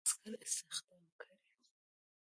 تازه دمه عسکر استخدام کړي.